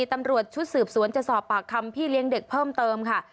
ตำรวจชุดสืบสวนจะสอบปากคำพี่เลี้ยงเด็กเพิ่มเติมค่ะ